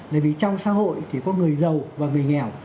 bởi vì trong xã hội thì có người giàu và người nghèo